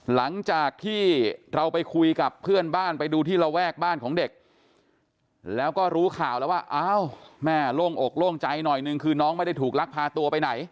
หลังจากที่เราไปคุยกับเพื่อนบ้านไปดูที่ระแวกบ้านของเด็กแล้วก็รู้ข่าวแล้วว่าอ้าวแม่โล่งอกโล่งใจหน่อยหนึ่งคือน้องไม่ได้ถูกลักพาตัวไปไหน